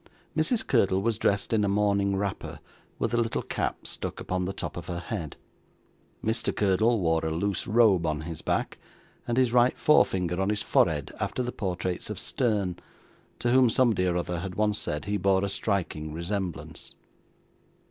Mrs. Curdle was dressed in a morning wrapper, with a little cap stuck upon the top of her head. Mr. Curdle wore a loose robe on his back, and his right forefinger on his forehead after the portraits of Sterne, to whom somebody or other had once said he bore a striking resemblance.